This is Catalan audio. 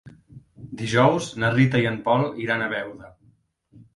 Dijous na Rita i en Pol iran a Beuda.